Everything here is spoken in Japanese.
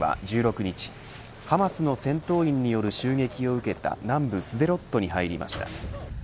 ＦＮＮ取材班は１６日ハマスの戦闘員による襲撃を受けた南部スデロットに入りました。